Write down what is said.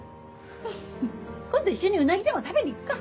フフ今度一緒にうなぎでも食べに行くか。